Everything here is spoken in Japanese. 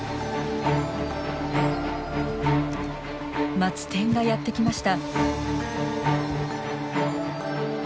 マツテンがやって来ました。